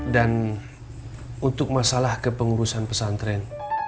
dan untuk masalah kepengurusan pesantren